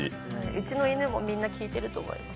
うちの犬もみんな聴いてると思います。